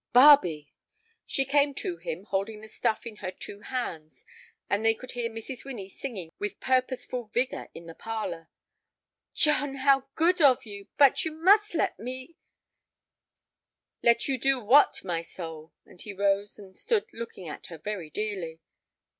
"Barbe!" She came to him, holding the stuff in her two hands, and they could hear Mrs. Winnie singing with purposeful vigor in the parlor. "John, how good of you! But you must let me—" "Let you do what, my soul?" And he rose and stood looking at her very dearly.